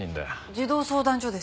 児童相談所です。